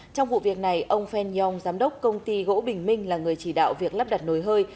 trong vụ việc này ông feng yong giám đốc công ty gỗ bình minh là người chỉ đạo việc lắp đặt nồi hơi